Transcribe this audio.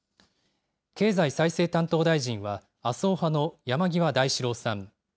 経済再生担当大臣は麻生派の山際大志郎さん。